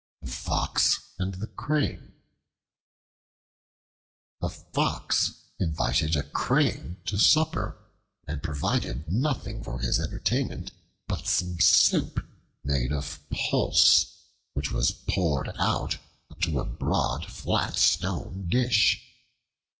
The Fox and the Crane A FOX invited a Crane to supper and provided nothing for his entertainment but some soup made of pulse, which was poured out into a broad flat stone dish.